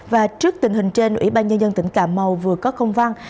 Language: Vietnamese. và trước tình hình trên ủy ban nhân dân tỉnh cà mau vừa có công văn